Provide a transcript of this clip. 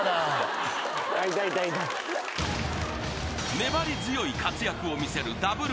［粘り強い活躍を見せるＷワタリ］